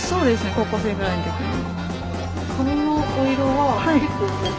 高校生ぐらいのときに。